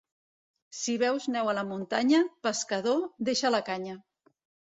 Si veus neu a la muntanya, pescador, deixa la canya.